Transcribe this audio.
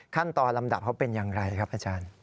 ขั้นตอนลำดับเขาเป็นอย่างไรครับอาจารย์